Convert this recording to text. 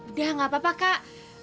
udah gak apa apa kak